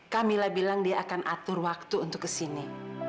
kamilah bilang dia akan atur waktu untuk ke sini